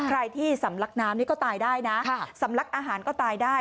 ใครที่สำลักน้ำนี่ก็ตายได้นะสำลักอาหารก็ตายได้